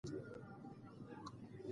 هغه وویل چې زه غواړم نیک انسان شم.